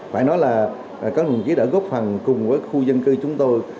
phải nói là các đồng chí đã góp phần cùng với khu dân cư chúng tôi